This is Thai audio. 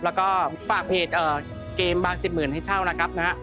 แล้วก็ฝากเพจเกมบางสิบหมื่นให้เช่านะครับนะฮะ